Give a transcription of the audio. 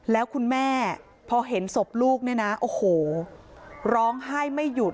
แล้วคุณแม่พอเห็นศพลูกเนี่ยนะโอ้โหร้องไห้ไม่หยุด